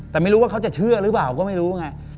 แต่ไม่รู้ว่าเขาจะเชื่อหรือเปล่าก็ไม่รู้ไง